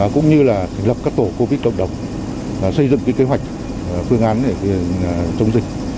cũng như là thành lập các tổ covid động động xây dựng kế hoạch phương án để chống dịch